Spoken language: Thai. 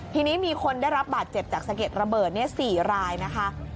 ทีนี้มีคนได้รับบาดเจ็บจากสะเก็ดระเบิด๔รายนะคะ